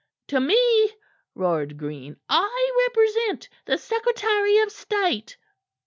"To me?" roared Green. "I represent the Secretary of State."